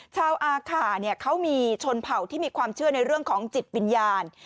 อาข่าเขามีชนเผ่าที่มีความเชื่อในเรื่องของจิตวิญญาณ